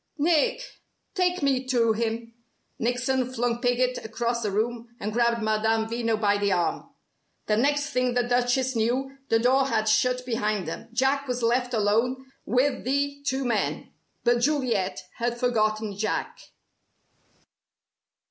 Nick, take me to him!" Nickson flung Piggott across the room, and grabbed Madame Veno by the arm. The next thing the Duchess knew, the door had shut behind them. Jack was left alone with the two men. But Juliet had forgotten Jack.